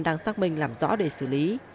đang xác minh làm rõ để xử lý